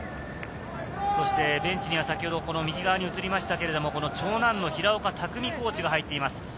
ベンチには先ほど右側に映りましたが、長男の平岡拓己コーチが入っています。